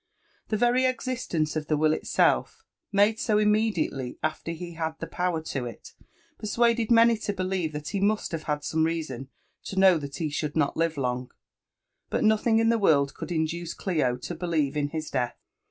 The very existence of the will itself, made so immediately after he had the power to do it, persuaded many (o believe that he must have had some reason to know that he should not live long; but nothing in the world could induce Clio to believe in his death.